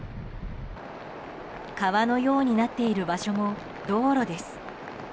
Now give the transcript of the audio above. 川のようになっている場所も道路です。